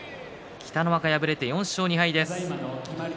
北の若敗れて４勝２敗です。